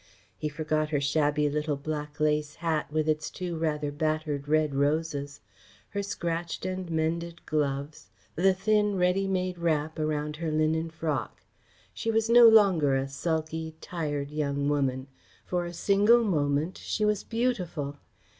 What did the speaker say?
He forgot her shabby little black lace hat with its two rather battered red roses, her scratched and mended gloves, the thin ready made wrap around her linen frock. She was no longer a sulky, tired, young woman. For a single moment she was beautiful.